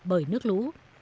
bởi nước lũ